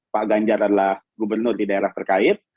pak ganjar adalah gubernur di daerah terkait